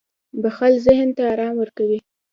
• بښل ذهن ته آرام ورکوي.